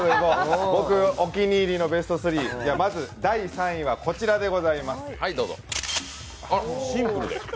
僕、お気に入りのベスト３はこちらでございます。